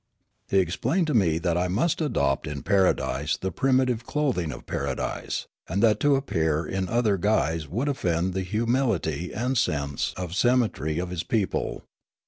He explained to me that I must adopt in paradise the primitive clothing of paradise, and that to appear in other guise would offend the humility and sense of T44 Riallaro symmetry of his people.